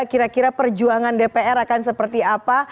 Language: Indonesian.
kira kira perjuangan dpr akan seperti apa